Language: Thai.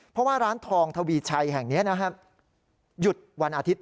เพราะว่าร้านทองทวีชัยแห่งนี้หยุดวันอาทิตย